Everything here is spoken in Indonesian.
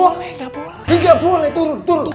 enggak boleh turun turun